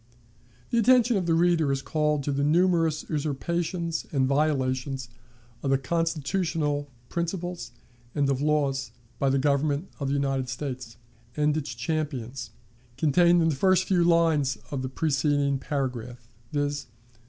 The attention of the reader is called to the numerous usurpations and violations of constitutional principles and of laws, by the Government of the United States and its champions, contained in the few lines of the preceding paragraph, viz.